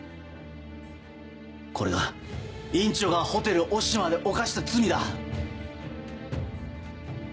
これが院長がホテルオシマで犯した罪だ。